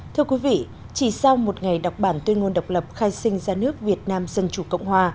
thưa quý vị chỉ sau một ngày đọc bản tuyên ngôn độc lập khai sinh ra nước việt nam dân chủ cộng hòa